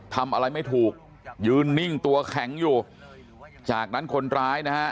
ทำอะไรไม่ถูกยืนนิ่งตัวแข็งอยู่จากนั้นคนร้ายนะฮะ